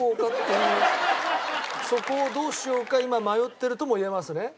そこをどうしようか今迷ってるともいえますね？